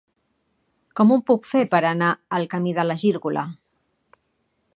Com ho puc fer per anar al camí de la Gírgola?